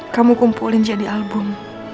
kamu kumpulin jadi album